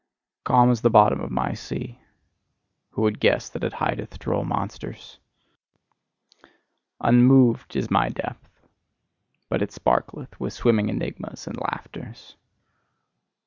Calm is the bottom of my sea: who would guess that it hideth droll monsters! Unmoved is my depth: but it sparkleth with swimming enigmas and laughters.